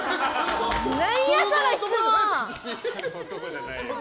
何やその質問！